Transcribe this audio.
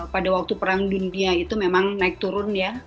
pada waktu perang dunia itu memang naik turun ya